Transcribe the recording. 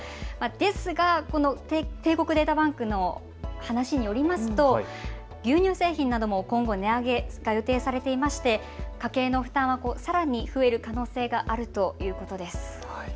ですが帝国データバンクの話によりますと牛乳製品なども今後、値上げが予定されていまして家計の負担はさらに増える可能性があるということです。